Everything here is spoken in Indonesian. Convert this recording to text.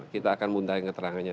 kita akan muntahin keterangannya